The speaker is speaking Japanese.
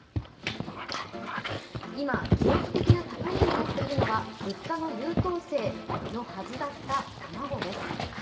今、記録的な高値になっているのは物価の優等生のはずだった卵です。